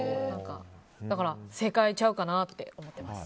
だから正解ちゃうかなと思ってます。